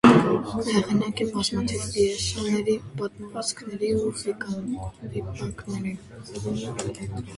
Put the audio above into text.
Հեղինակ է բազմաթիվ պիեսների, պատմվածքների ու վիպակների։